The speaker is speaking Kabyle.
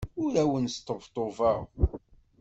Ur awen-sṭebṭubeɣ.